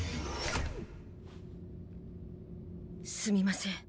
すみません。